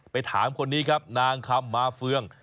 ถามคนนี้ครับนางคำมาเฟือง